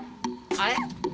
あれ？